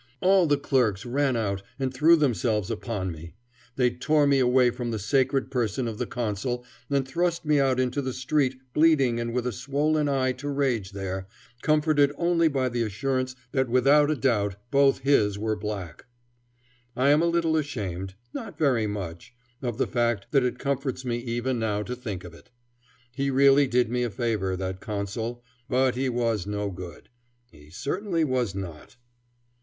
All the clerks ran out and threw themselves upon me. They tore me away from the sacred person of the Consul and thrust me out into the street bleeding and with a swollen eye to rage there, comforted only by the assurance that without a doubt both his were black. I am a little ashamed not very much of the fact that it comforts me even now to think of it. He really did me a favor, that Consul; but he was no good. He certainly was not.